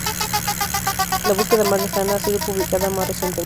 La búsqueda más lejana ha sido publicada más recientemente.